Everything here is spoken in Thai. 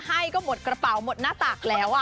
ให้ก็หมดกระเป๋าหมดหน้าตากแล้ว